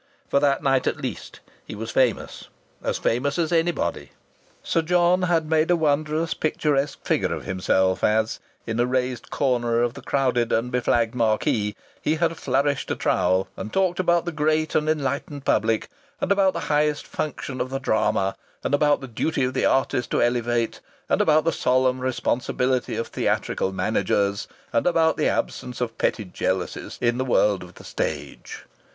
For that night at least he was famous as famous as anybody! Sir John had made a wondrous picturesque figure of himself as, in a raised corner of the crowded and beflagged marquee, he had flourished a trowel, and talked about the great and enlightened public, and about the highest function of the drama, and about the duty of the artist to elevate, and about the solemn responsibility of theatrical managers, and about the absence of petty jealousies in the world of the stage.